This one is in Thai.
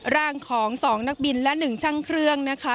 ร่างของสองนักบินและหนึ่งช่างเครื่องนะคะ